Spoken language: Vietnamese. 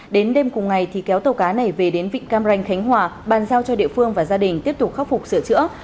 đến đêm cùng ngày thì kéo tàu cá này về đến vịnh cam ranh khánh hòa bàn giao cho địa phương và gia đình tiếp tục khắc phục sửa chữa